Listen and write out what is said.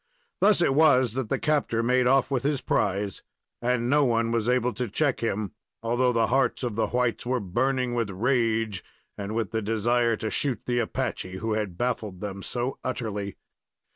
Thus it was that the captor made off with his prize, and no one was able to check him, although the hearts of the whites were burning with rage and with the desire to shoot the Apache who had baffled them so utterly.